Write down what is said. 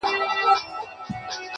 پهلوان د ترانو د لر او بر دی،